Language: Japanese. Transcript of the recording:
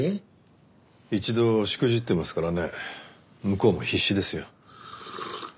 一度しくじってますからね向こうも必死ですよ。